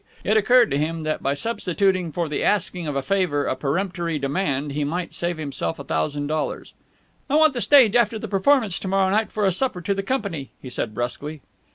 It occurred to him that, by substituting for the asking of a favour a peremptory demand, he might save himself a thousand dollars. "I want the stage after the performance to morrow night, for a supper to the company," he said brusquely.